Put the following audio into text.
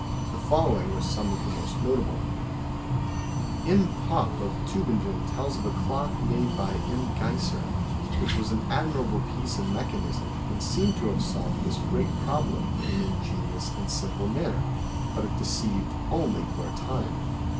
The fol lowing are some of the most notable : M. Poppe of Tubingen tells of a clock made by M. Geiser, which was an admirable piece of mechanism and seemed to have solved this great problem in an ingenious and simple manner, but it deceived only for a time.